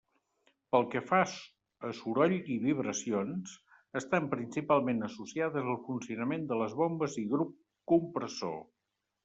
Pel que fa a soroll i vibracions, estan principalment associades al funcionament de les bombes i grup compressor.